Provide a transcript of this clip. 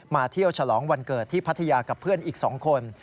เที่ยวฉลองวันเกิดที่พัทยากับเพื่อนอีก๒คน